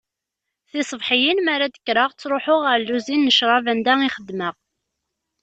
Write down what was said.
Tiṣebḥiyin mi ara d-kkreɣ, ttruḥuɣ ɣer lluzin n ccrab anda i xeddmeɣ.